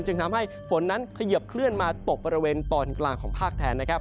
จึงทำให้ฝนนั้นเขยิบเคลื่อนมาตกบริเวณตอนกลางของภาคแทนนะครับ